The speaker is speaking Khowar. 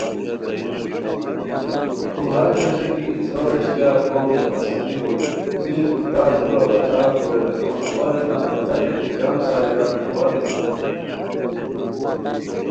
تو ہݰ جوݰے کی اِسپہ ووݰکیار کوروم تسلی ہوئے صرف تو تان دُورہ بشار کورے ریکو اوا ریتام کی تتے کی جم ساریران اوا دی خوشان